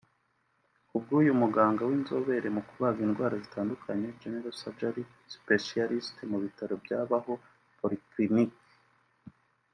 Ku bw’uyu muganga w’inzobere mu kubaga indwara zitandukanye (General Surgeon Specialist) mu bitaro bya Baho Polyclinic